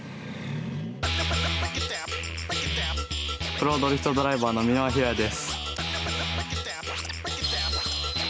プロドリフトドライバーの箕輪大也です。